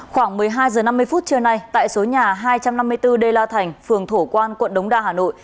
khoảng một mươi hai h năm mươi phút trưa nay tại số nhà hai trăm năm mươi bốn đê la thành phường thổ quan quận đống đa hà nội